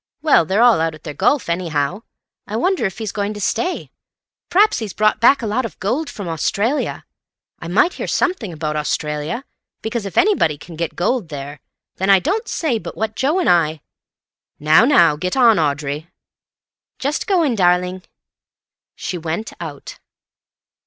Well, they're all out at their golf, anyhow—Wonder if he's going to stay—P'raps he's brought back a lot of gold from Australia—I might hear something about Australia, because if anybody can get gold there, then I don't say but what Joe and I—" "Now, now, get on, Audrey." "Just going, darling." She went out.